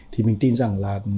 thì mình tin rằng là